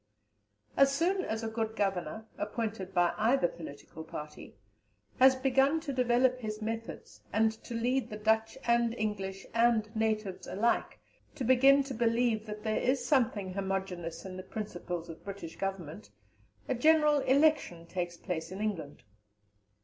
As soon as a good Governor (appointed by either political party) has begun to develop his methods, and to lead the Dutch, and English, and Natives alike to begin to believe that there is something homogeneous in the principles of British government, a General Election takes place in England.